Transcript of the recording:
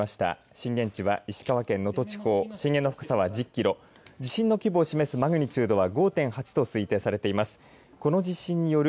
震源地石川県能登地方震源の深さは１０キロ地震の規模を示すマグニチュード５．８と推定されています。